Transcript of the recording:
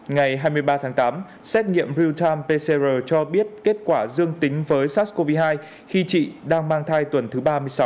ngày hai mươi ba tháng tám xét nghiệm real time pcr cho biết kết quả dương tính với sars cov hai khi chị đang mang thai tuần thứ ba mươi sáu